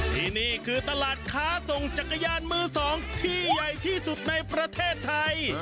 ที่นี่คือตลาดค้าส่งจักรยานมือสองที่ใหญ่ที่สุดในประเทศไทย